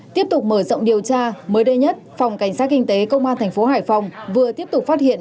tiếp tục mở rộng điều tra mới đây nhất phòng cảnh sát kinh tế công an thành phố hải phòng vừa tiếp tục phát hiện